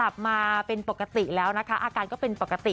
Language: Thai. พอไปถึงแล้วเห็นเขายังมีสติดคุยโต้ตอบเราได้